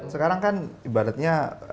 sekarang kan ibaratnya